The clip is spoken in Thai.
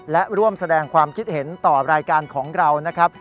และร่วมแสดงความคิดเห็นต่อรายการของเรานะครับ